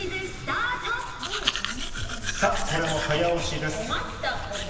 これも早押しです。